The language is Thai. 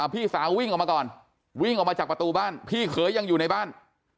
พี่สาววิ่งออกมาก่อนวิ่งออกมาจากประตูบ้านพี่เขยยังอยู่ในบ้าน